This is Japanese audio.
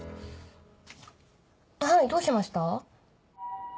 はいどうしました？